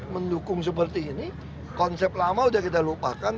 mendukung seperti ini konsep lama sudah kita lupakan